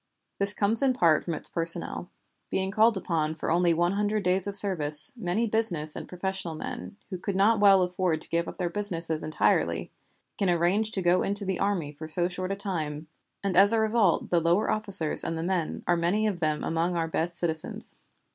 This comes in part from its personnel. Being called upon for only one hundred days of service, many business and professional men, who could not well afford to give up their business entirely, can arrange to go into the army for so short a time; and as a result the lower officers and the men are many of them among our best citizens.